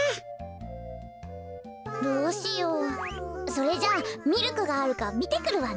それじゃあミルクがあるかみてくるわね。